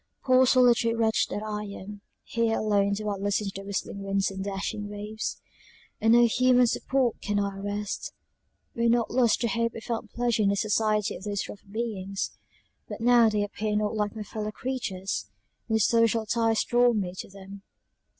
"Poor solitary wretch that I am; here alone do I listen to the whistling winds and dashing waves; on no human support can I rest when not lost to hope I found pleasure in the society of those rough beings; but now they appear not like my fellow creatures; no social ties draw me to them.